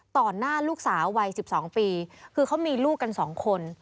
หน้าลูกสาววัย๑๒ปีคือเขามีลูกกัน๒คน